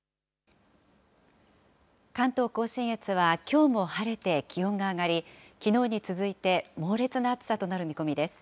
関東甲信越は、きょうも晴れて気温が上がり、きのうに続いて、猛烈な暑さとなる見込みです。